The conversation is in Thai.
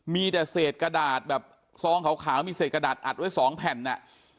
มีแต่เศษกระดาษแบบซองขาวมีเศษกระดาษอัดไว้สองแผ่นอ่ะ